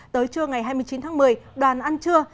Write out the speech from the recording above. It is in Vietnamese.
tới trưa ngày hai mươi chín tháng một mươi đoàn ăn trưa